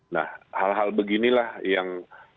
nah hal hal beginilah yang